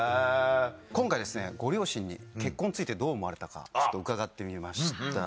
今回ご両親に結婚についてどう思われたかちょっと伺ってみました。